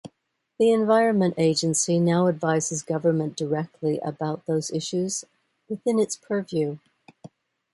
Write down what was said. The Environment Agency now advises Government directly about those issues within its purview.